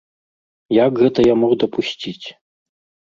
Як гэта я мог дапусціць!